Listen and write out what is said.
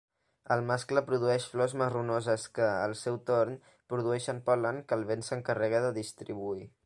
El mascle produeix flors marronoses que, al seu torn, produeixen pol·len que el vent s'encarrega de distribuir.